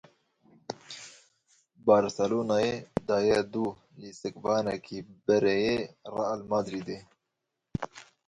Barcelonayê daye dû lîstikvanekî berê yê Real Madridê.